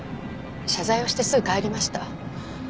謝罪をしてすぐ帰りました。